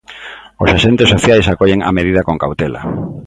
Os axentes sociais acollen a medida con cautela.